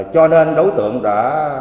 cho nên đối tượng đã